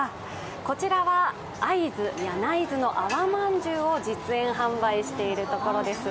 こちらは会津柳津の粟まんじゅうを実演販売しているところです。